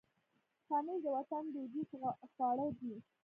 پنېر د وطن دودیز خواړه دي.